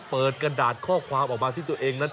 กระดาษข้อความออกมาที่ตัวเองนั้น